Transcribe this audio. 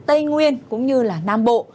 tây nguyên cũng như là nam bộ